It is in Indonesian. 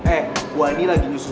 eh gue ini lagi nyusus tanda